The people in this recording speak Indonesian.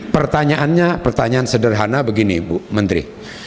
pertanyaannya pertanyaan sederhana begini bu menteri